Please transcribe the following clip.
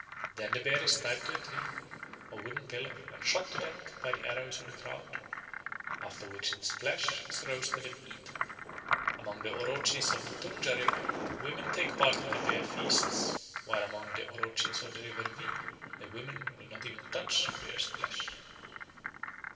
Then the bear is tied to a tree or wooden pillar and shot to death by the arrows of the crowd, after which its flesh is roasted and eaten. Among the Orotchis of the Tundja River women take part in the bear feasts, while among the Orotchis of the River Vi the women will not even touch bear's flesh.